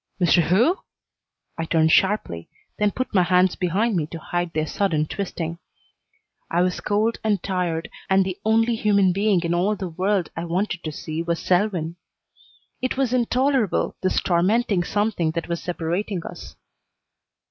"Mr. who?" I turned sharply, then put my hands behind me to hide their sudden twisting. I was cold and tired, and the only human being in all the world I wanted to see was Selwyn. It was intolerable, this tormenting something that was separating us.